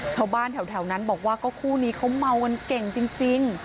ชาวบ้านแถวนั้นบอกว่าก็คู่นี้เขาเมากันเก่งจริง